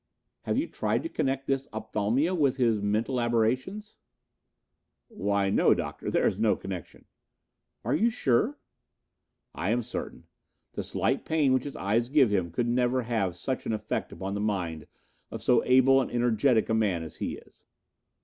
"Have you tried to connect this opthalmia with his mental aberrations?" "Why no, Doctor, there is no connection." "Are you sure?" "I am certain. The slight pain which his eyes give him could never have such an effect upon the mind of so able and energetic a man as he is."